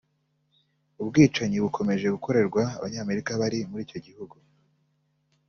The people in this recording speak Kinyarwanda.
ubwicanyi bukomeje gukorerwa Abanyamerika bari muri icyo gihugu